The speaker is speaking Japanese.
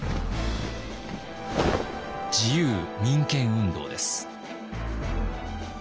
自由民権運動です。